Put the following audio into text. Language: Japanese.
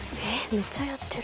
めっちゃやってる。